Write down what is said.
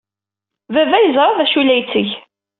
Baba yeẓra d acu ay la yetteg.